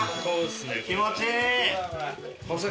気持ちいい！